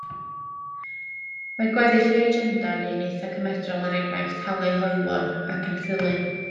Mae gweddill ei agenda'n un eitha cymedrol er enghraifft hawliau hoywon ac erthylu.